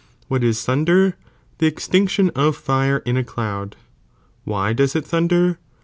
What ia thunder? the extinction of fire in a elood; _ why does it thunder